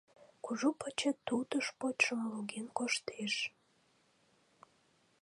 Кужу почет тутыш почшым луген коштеш.